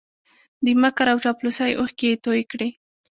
د مکر او چاپلوسۍ اوښکې یې توی کړې